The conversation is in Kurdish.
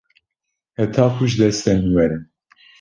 heta ku ji destê min were